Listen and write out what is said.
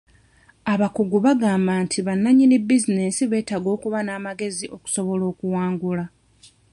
Abakugu bagamba nti bannanyini bizinensi beetaaga okuba n'amagezi okusobola okuwangula.